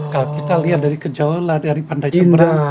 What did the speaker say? kalau kita lihat dari kejauh dari pantai jemberan